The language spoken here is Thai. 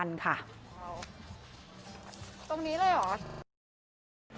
ตรงนี้เลยเหรอ